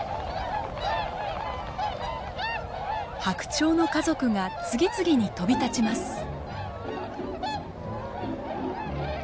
ハクチョウの家族が次々に飛び立ちます。